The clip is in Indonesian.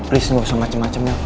riz lo gak usah macem macem ya